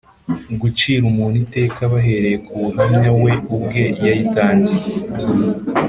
guciraho umuntu iteka bahereye ku buhamya we ubwe yitangiye